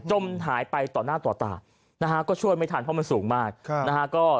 จมหายไปต่อหน้าต่อตาช่วยไม่ทันเพราะมันสูงมาก